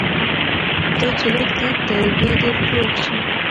دا چې لږ تت دی، بیا دې فروغ شي